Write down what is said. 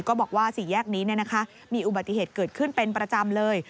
ก็บอกว่าสี่แยกนี้มีอุบัติเหตุเกิดขึ้นเป็นประจำเลย